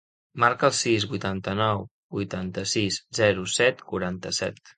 Marca el sis, vuitanta-nou, vuitanta-sis, zero, set, quaranta-set.